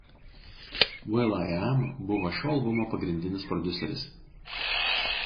Will.i.am buvo šio albumo pagrindinis prodiuseris.